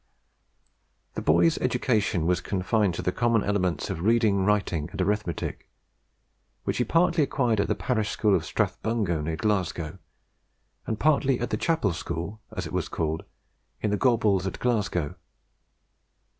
The boy's education was confined to the common elements of reading, writing, and arithmetic, which he partly acquired at the parish school of Strathbungo near Glasgow, and partly at the Chapel School, as it was called, in the Gorbals at Glasgow.